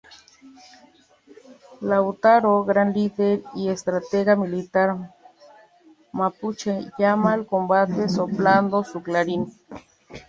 Lautaro, gran líder y estratega militar mapuche, llama al combate soplando su clarín.